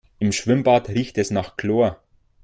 Im Schwimmbad riecht es nach Chlor.